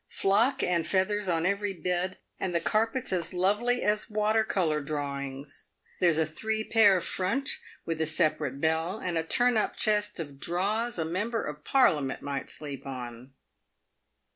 Flock and feathers on every bed, and the carpets as lovely as water colour drawings. There's a three pair front, with a separate bell, and a turn up chest of draws a member of Parliament might sleep on."